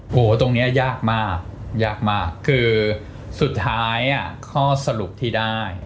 โหตรงนี้ยากมากยากมากคือสุดท้ายข้อสรุปที่ได้